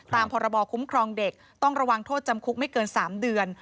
พรบคุ้มครองเด็กต้องระวังโทษจำคุกไม่เกิน๓เดือน